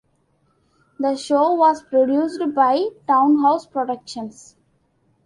The show was produced by Town House Productions.